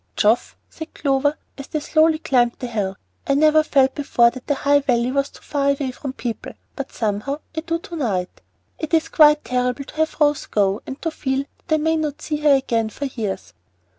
"Geoff," said Clover, as they slowly climbed the hill, "I never felt before that the High Valley was too far away from people, but somehow I do to night. It is quite terrible to have Rose go, and to feel that I may not see her again for years."